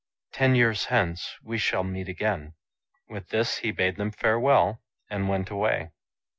Ten years hence we shall meet again." With this he bade them farewell, and went away.